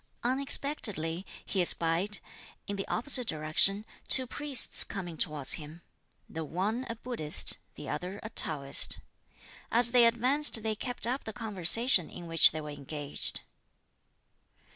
Unexpectedly he espied, in the opposite direction, two priests coming towards him: the one a Buddhist, the other a Taoist. As they advanced they kept up the conversation in which they were engaged.